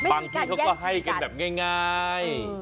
บางทีก็ให้กันแบบง่าย